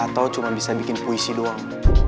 atau cuma bisa bikin puisi doang